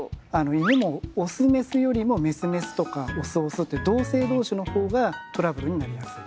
犬もオスメスよりもメスメスとかオスオスって同性同士の方がトラブルになりやすい。